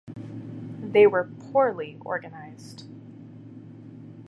They were poorly organized.